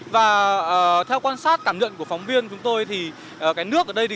và theo quan sát cảm nhận của phóng viên chúng tôi thì cái nước ở đây thì không có gì